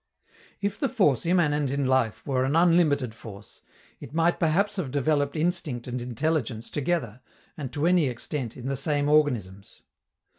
If the force immanent in life were an unlimited force, it might perhaps have developed instinct and intelligence together, and to any extent, in the same organisms.